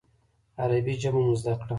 عربي ژبه مو زده کړه.